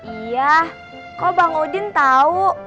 iya kok bang odin tahu